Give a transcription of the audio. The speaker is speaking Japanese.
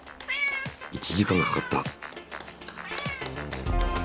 １時間かかった。